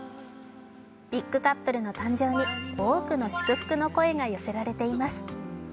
ビッグカップルの誕生に多くの祝福の声が寄せられています。